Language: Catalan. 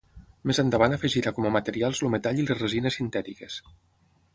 Més endavant afegirà com a materials el metall i les resines sintètiques.